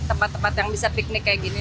tempat tempat yang bisa piknik kayak gini